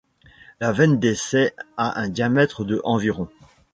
La veine d'essai a un diamètre de environ.